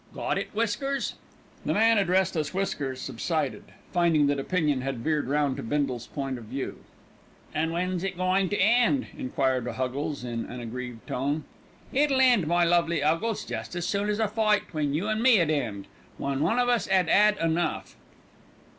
Got it, Whiskers?" The man addressed as Whiskers subsided, finding that opinion had veered round to Bindle's point of view. "An' when's it goin' to end?" enquired Huggles in an aggrieved tone. "It'll end, my lovely 'Uggles, jest as soon as a fight 'tween you an' me 'ud end when one of us 'ad 'ad enough."